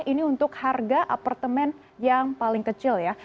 ini untuk harga apartemen yang paling kecil ya